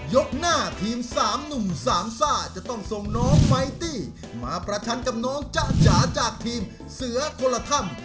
หน้าทีม๓หนุ่มสามซ่าจะต้องส่งน้องไมตี้มาประชันกับน้องจ๊ะจ๋าจากทีมเสือคนละถ้ำ